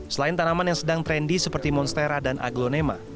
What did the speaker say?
selain tanaman yang sedang trendy seperti monstera dan aglonema